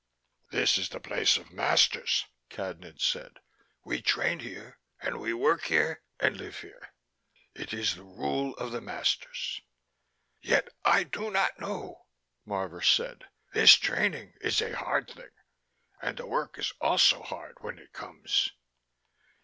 "This is the place of masters," Cadnan said. "We train here, and we work here, and live here. It is the rule of the masters." "Yet I do not know," Marvor said. "This training is a hard thing, and the work is also hard when it comes."